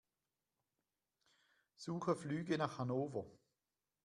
Suche Flüge nach Hannover.